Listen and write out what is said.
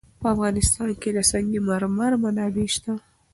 په افغانستان کې د سنگ مرمر منابع شته.